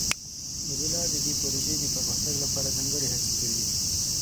موزیلا د دې پروژې د پرمختګ لپاره ځانګړې هڅې کوي.